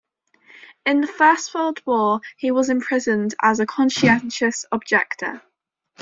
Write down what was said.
In the First World War he was imprisoned as a conscientious objector.